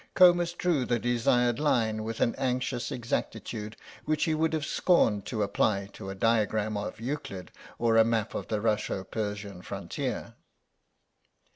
Comus drew the desired line with an anxious exactitude which he would have scorned to apply to a diagram of Euclid or a map of the Russo Persian frontier.